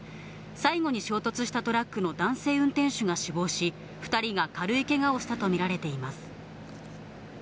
最後に衝突したトラックの男性運転手が死亡し、２人が軽いけがをしたと見られています。